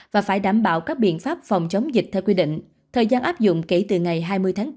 và phải đảm bảo các biện pháp phòng chống dịch theo quy định thời gian áp dụng kể từ ngày hai mươi tháng bốn